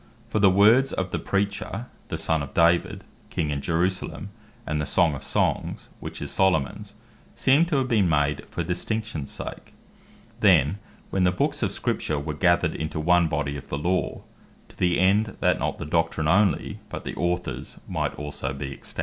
For "The Words of the Preacher, the Son of David, King in Jerusalem;" and, "the Song of Songs, which is Solomon's," seem to have been made for distinctions sake, then, when the Books of Scripture were gathered into one body of the Law; to the end, that not the Doctrine only, but the Authors also might be extant.